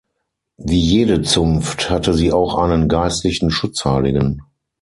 Wie jede Zunft hatte sie auch einen geistlichen Schutzheiligen.